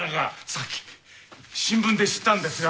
さっき新聞で知ったんですが。